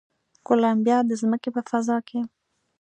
کولمبیا د ځمکې په فضا کې